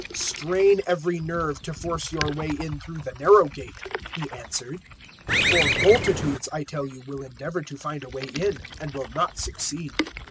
013:024 "Strain every nerve to force your way in through the narrow gate," He answered; "for multitudes, I tell you, will endeavour to find a way in and will not succeed.